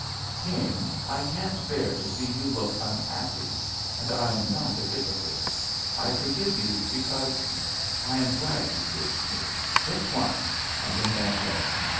"King, I can't bear to see you look un happy ; and I am not a hypocrite. I forgive you, because — I am glad you kissed me, just once — and in that way.